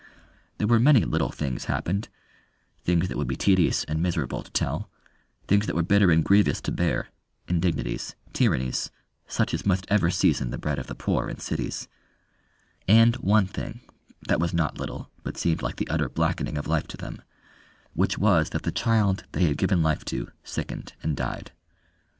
There were many little things happened: things that would be tedious and miserable to tell, things that were bitter and grievous to bear indignities, tyrannies, such as must ever season the bread of the poor in cities; and one thing that was not little, but seemed like the utter blackening of life to them, which was that the child they had given life to sickened and died.